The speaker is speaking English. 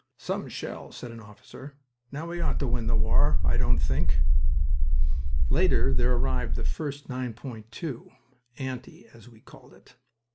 "Some shell!" said an officer. "Now we ought to win the war I don't think!" Later there arrived the first 9.2 (nine point two) "aunty," as we called it.